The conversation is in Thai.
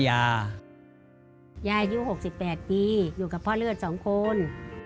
ยายอายุ๖๘ปีอยู่กับพ่อเลือด๒คน